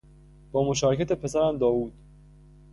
با مشارکت پسرم داوود